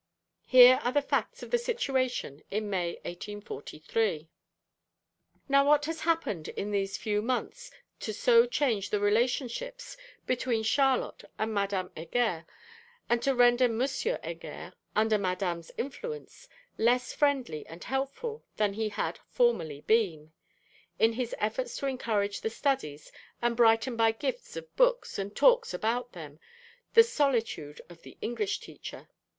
Here are the facts of the situation in May 1843. Now what has happened in these few months to so change the relationships between Charlotte and Madame Heger, and to render Monsieur Heger under Madame's influence less friendly and helpful than he had formerly been, in his efforts to encourage the studies, and brighten by gifts of books, and talks about them, the solitude of the English teacher?